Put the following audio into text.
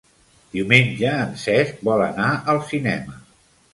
Diumenge en Cesc vol anar al cinema.